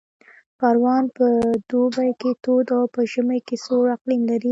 پروان په دوبي کې تود او په ژمي کې سوړ اقلیم لري